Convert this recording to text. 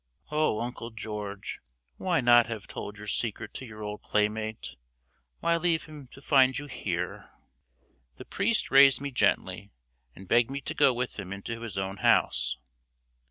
Oh, Uncle George, why not have told your secret to your old playmate? Why leave him to find you here? The priest raised me gently, and begged me to go with him into his own house.